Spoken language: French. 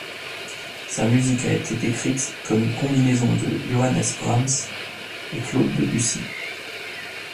Sa musique a été décrite comme une combinaison de Johannes Brahms et Claude Debussy.